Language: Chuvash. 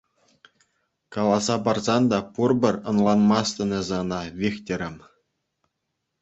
Каласа парсан та пурпӗр ӑнланмастӑн эсӗ ӑна, Вихтӗрӗм.